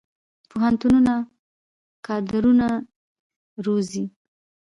پوهنتونونه کادرونه روزي